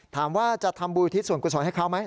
ถามว่าจะทำบุญอุทิศส่วนกุศลให้เขาไหม